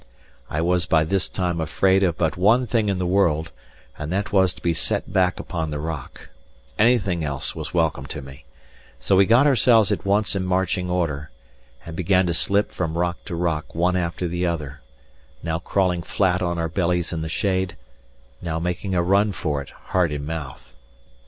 I was by this time afraid of but one thing in the world; and that was to be set back upon the rock; anything else was welcome to me; so we got ourselves at once in marching order, and began to slip from rock to rock one after the other, now crawling flat on our bellies in the shade, now making a run for it, heart in mouth.